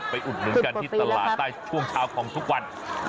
อุดหนุนกันที่ตลาดใต้ช่วงเช้าของทุกวัน